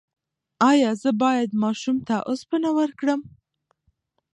ایا زه باید ماشوم ته اوسپنه ورکړم؟